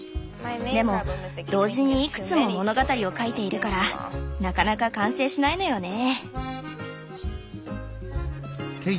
でも同時にいくつも物語を書いているからなかなか完成しないのよね。